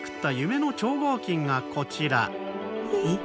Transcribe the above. えっ？